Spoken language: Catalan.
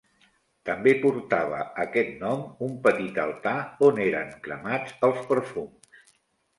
També portava aquest nom un petit altar on eren cremats els perfums.